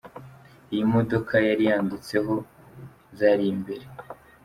Iyi modoka yari yanditseho zari imbere.